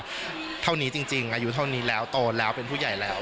เท่านี้จริงอายุเท่านี้แล้วโตแล้วเป็นผู้ใหญ่แล้ว